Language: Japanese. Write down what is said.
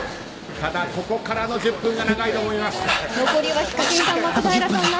ここからの１０分が長いと思います。